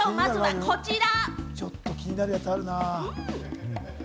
まずはこちら！